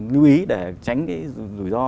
lưu ý để tránh cái rủi ro